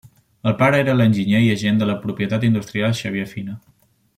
El pare era l'enginyer i agent de la propietat industrial Xavier Fina.